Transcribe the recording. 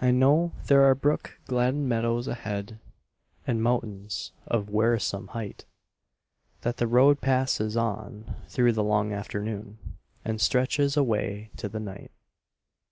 I know there are brook gladdened meadows ahead, And mountains of wearisome height; That the road passes on through the long afternoon And stretches away to the night.